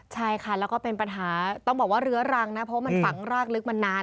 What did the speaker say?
ใช่ค่ะแล้วก็เป็นปัญหาต้องบอกว่าเรื้อรังนะเพราะว่ามันฝังรากลึกมานาน